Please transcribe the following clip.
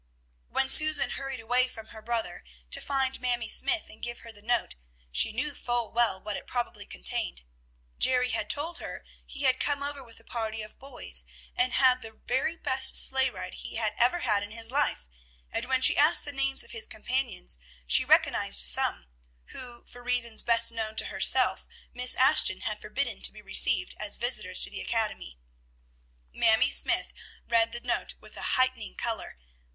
When Susan hurried away from her brother to find Mamie Smythe and give her the note, she knew full well what it probably contained. Jerry had told her he had come over with a party of boys, and had the very best sleigh ride he had ever had in his life; and when she asked the names of his companions, she recognized some, who, for reasons best known to herself, Miss Ashton had forbidden to be received as visitors to the academy. Mamie Smythe read the note with a heightening color.